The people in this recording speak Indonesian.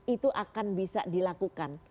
itu akan bisa dilakukan